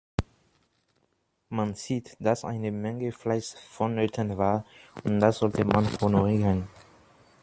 Man sieht, dass eine Menge Fleiß vonnöten war, und das sollte man honorieren.